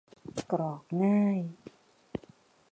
กรอกง่าย